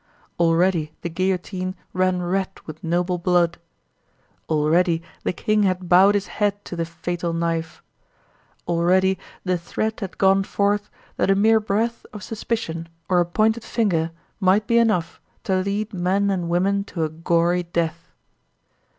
Already the guillotine ran red with noble blood. Already the king had bowed his head to the fatal knife. Already the threat had gone forth that a mere breath of suspicion or a pointed finger might be enough to lead men and women to a gory death.